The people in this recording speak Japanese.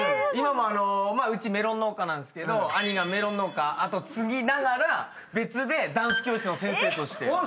今もあのうちメロン農家なんですけど兄がメロン農家後継ぎながら別でダンス教室の先生として。